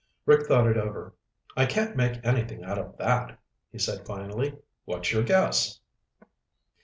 Rick thought it over. "I can't make anything out of that," he said finally. "What's your guess?"